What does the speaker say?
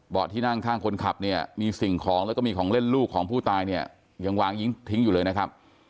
ที่นั่งข้างคนขับเนี่ยมีสิ่งของแล้วก็มีของเล่นลูกของผู้ตายเนี่ยยังวางทิ้งอยู่เลยนะครับ